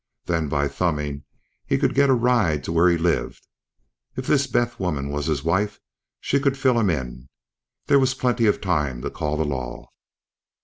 Then, by thumbing, he could get a ride to where he lived. If this Beth woman was his wife, she could fill him in. There was plenty of time to call the law.